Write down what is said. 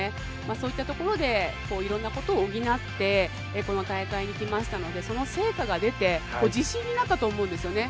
そういったところでいろんなことを補ってこの大会に来ましたのでその成果が出て自信になったと思うんですよね。